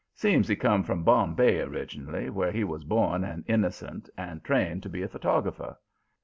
Seems he come from Bombay originally, where he was born an innocent and trained to be a photographer.